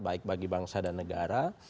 baik bagi bangsa dan negara